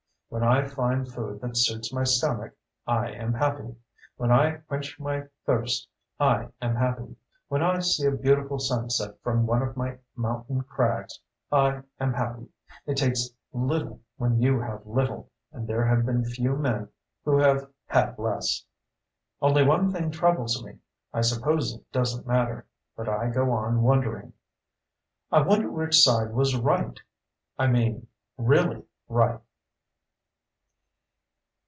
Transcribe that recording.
When I find food that suits my stomach, I am happy. When I quench my thirst, I am happy. When I see a beautiful sunset from one of my mountain crags, I am happy. It takes little when you have little, and there have been few men who have had less. Only one thing troubles me. I suppose it doesn't matter, but I go on wondering. I wonder which side was right. I mean really right.